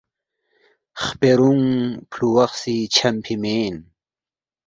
خپرونگ فلووخسی چھمفی مین